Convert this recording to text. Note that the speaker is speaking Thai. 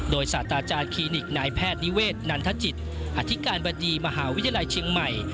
โดยศาสตราจารย์คลินิกนายแพทย์นิเวศนันทจิตอธิการบดีมหาวิทยาลัยเชียงใหม่